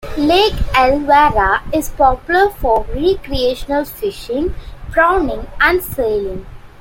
Lake Illawarra is popular for recreational fishing, prawning and sailing.